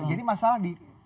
jadi masalah di